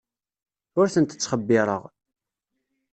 Ur tent-ttxebbireɣ.